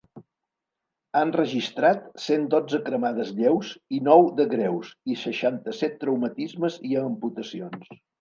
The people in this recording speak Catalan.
Han registrat cent dotze cremades lleus i nou de greus i seixanta-set traumatismes i amputacions.